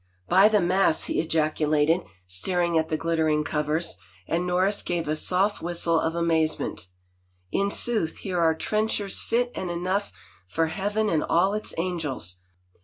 " By the mass! " he ejaculated, staring at the glittering covers, and Norris gave a soft whistle of amazement. " In sooth here are trenchers fit and enough for heaven and all its angels.